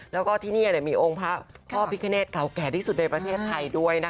แล้วก็ที่นี่มีองค์พระพ่อพิคเนตเก่าแก่ที่สุดในประเทศไทยด้วยนะคะ